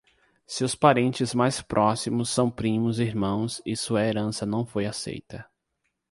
Seus parentes mais próximos são primos irmãos e sua herança não foi aceita.